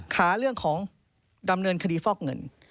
หาเรื่องของดำเนินคดีฟอกเงิน